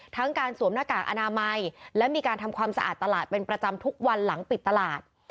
การสวมหน้ากากอนามัยและมีการทำความสะอาดตลาดเป็นประจำทุกวันหลังปิดตลาด